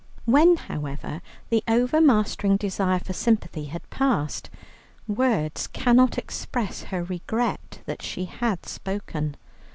When, however, the overmastering desire for sympathy had passed, words cannot express her regret that she had spoken.